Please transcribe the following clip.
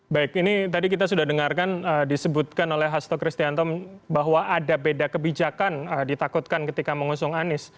baik ini tadi kita sudah dengarkan disebutkan oleh hasto kristianto bahwa ada beda kebijakan ditakutkan ketika mengusung anies